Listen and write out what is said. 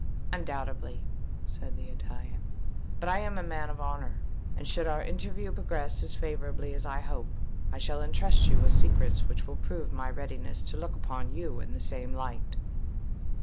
"Undoubtedly," said the Italian. "But I am a man of honour; and should our interview progress as favourably as I hope, I shall entrust you with secrets which will prove my readiness to look upon you in the same light."